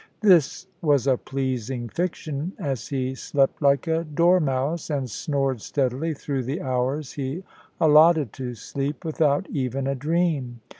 This was a pleasing fiction, as he slept like a dormouse, and snored steadily through the hours he allotted to sleep without even a dream.